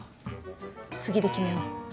次で決めよう。